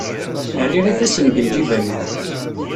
Rriɣ ifassen deg lǧiban-iw.